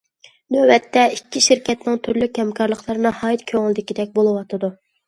نۆۋەتتە، ئىككى شىركەتنىڭ تۈرلۈك ھەمكارلىقلىرى ناھايىتى كۆڭۈلدىكىدەك بولۇۋاتىدۇ.